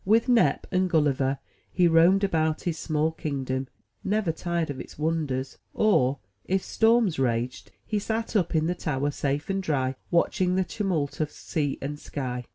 With Nep and Gulliver he roamed about his small kingdom, never tired of its wonders; or, if storms raged, he sat up in the tower, safe and dry, watching the tumult of sea and sky.